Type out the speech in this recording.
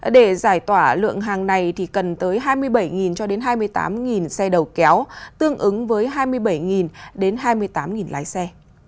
để giải tỏa lượng hàng này thì cần tới hai mươi bảy cho đến hai mươi tám xe đầu kéo tương ứng với hai mươi bảy đến hai mươi tám lái xe